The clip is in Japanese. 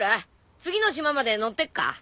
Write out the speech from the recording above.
次の島まで乗ってくか？